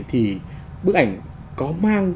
thì bức ảnh có mang